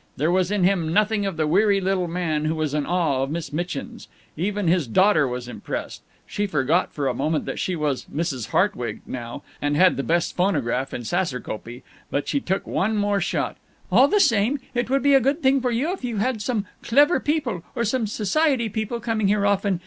There was in him nothing of the weary little man who was in awe of Miss Mitchin's. Even his daughter was impressed. She forgot for a moment that she was Mrs. Hartwig, now, and had the best phonograph in Saserkopee. But she took one more shot: "All the same, it would be a good thing for you if you had some clever people or some society people coming here often.